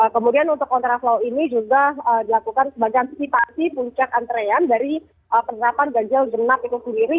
kemudian untuk kontraflow ini juga dilakukan sebagai antisipasi puncak antrean dari penerapan ganjil genap itu sendiri